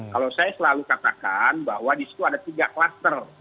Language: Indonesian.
kalau saya selalu katakan bahwa di situ ada tiga kluster